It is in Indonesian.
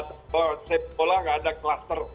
kalau sepak bola tidak ada kluster